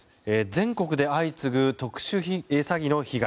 全国で相次ぐ特殊詐欺の被害。